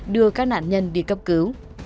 đưa các nạn nhân đi cấp cứu